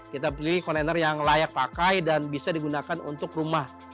kita pilih kontainer yang layak pakai dan bisa digunakan untuk rumah